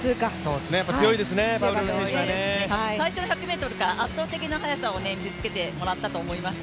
最初の１００ｍから圧倒的な速さを見せつけてもらったと思います。